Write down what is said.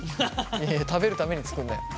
いやいや食べるために作んなよ。